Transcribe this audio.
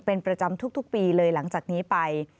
เป็นประจำทุกปีเลยหลังจากนี้ไป